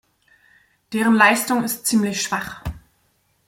Deren Leistung ist ziemlich schwach.